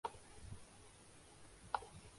ان کی بڑی عزت بنی۔